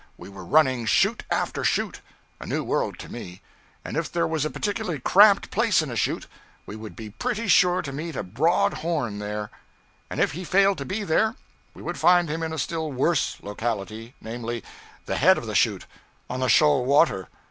We were running chute after chute, a new world to me, and if there was a particularly cramped place in a chute, we would be pretty sure to meet a broad horn there; and if he failed to be there, we would find him in a still worse locality, namely, the head of the chute, on the shoal water.